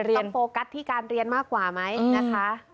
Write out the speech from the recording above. โฟกัสที่การเรียนมากกว่าไหมนะคะ